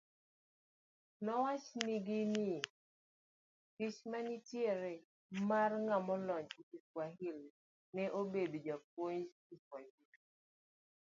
Nowachnigi ni tich manitie mar ng'amolony e Kiswahili en bedo japuonj Kiswahili.